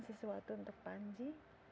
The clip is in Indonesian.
sesuatu untuk panji